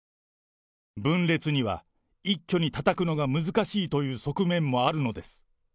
分裂には一緒にたたくのが難しいという側面もあるのです。